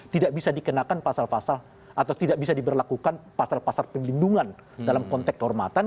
tidak bisa dikenakan pasal pasal atau tidak bisa diberlakukan pasal pasal pelindungan dalam konteks kehormatan